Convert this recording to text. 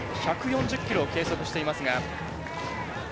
１４０キロを計測しています。